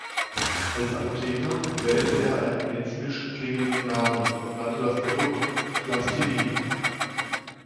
Als Apotheker wählte er einen medizinisch klingenden Namen und nannte das Produkt Plastilin.